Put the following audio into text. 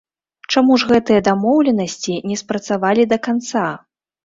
Чаму ж гэтыя дамоўленасці не спрацавалі да канца?